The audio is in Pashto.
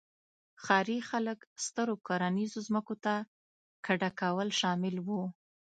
ښاري خلک سترو کرنیزو ځمکو ته کډه کول شامل وو